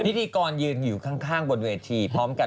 พิธีกรยืนอยู่ข้างบนเวทีพร้อมกัน